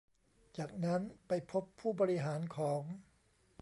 จากนั้นไปพบผู้บริหารของ